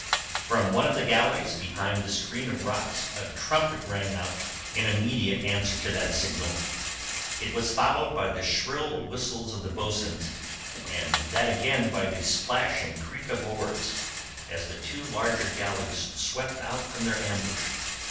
From one of the galleys behind the screen of rocks a trumpet rang out in immediate answer to that signal; it was followed by the shrill whistles of the bo'suns, and that again by the splash and creak of oars, as the two larger galleys swept out from their ambush.